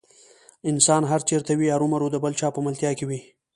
انسان هر چېرته وي ارومرو د بل چا په ملتیا کې وي.